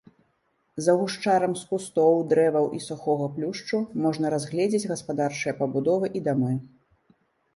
За гушчарам з кустоў, дрэваў і сухога плюшчу можна разгледзець гаспадарчыя пабудовы і дамы.